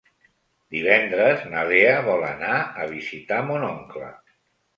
Divendres na Lea vol anar a visitar mon oncle.